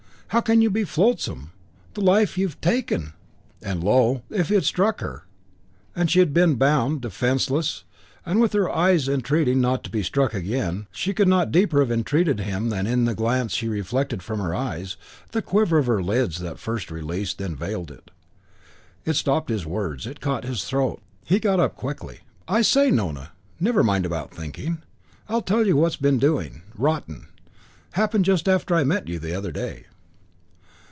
How can you be flotsam the life you've taken?" And, lo, if he had struck her, and she been bound, defenceless, and with her eyes entreating not to be struck again, she could not deeper have entreated him than in the glance she fleeted from her eyes, the quiver of her lids that first released, then veiled it. It stopped his words. It caught his throat. IV He got up quickly. "I say, Nona, never mind about thinking. I'll tell you what's been doing. Rotten. Happened just after I met you the other day."